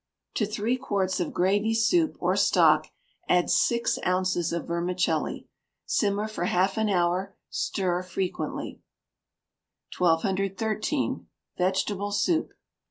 To three quarts of gravy soup, or stock, add six ounces of vermicelli. Simmer for half an hour; stir frequently. 1213. Vegetable Soup.